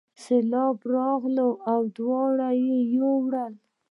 سیلاب راغی او دواړه یې یووړل.